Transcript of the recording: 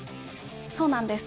そうなんです